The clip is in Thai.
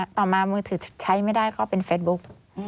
ต่อมามือถือใช้ไม่ได้ก็เป็นเฟซบุ๊ก